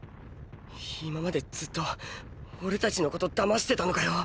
今までずっと俺たちのこと騙してたのかよ。